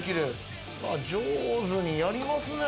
上手にやりますね。